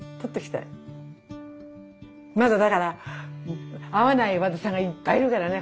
まだだから会わない和田さんがいっぱいいるからね